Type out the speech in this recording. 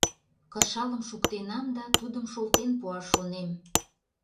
Кышалым шуктенам да тудым шолтен пуаш шонем.